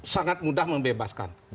sangat mudah membebaskan